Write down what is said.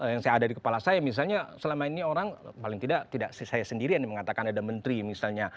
yang saya ada di kepala saya misalnya selama ini orang paling tidak saya sendiri yang mengatakan ada menteri misalnya